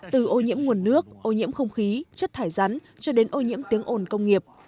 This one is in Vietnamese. từ ô nhiễm nguồn nước ô nhiễm không khí chất thải rắn cho đến ô nhiễm tiếng ồn công nghiệp